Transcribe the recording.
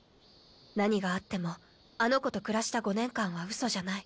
何があってもあの子と暮らした５年間はウソじゃない。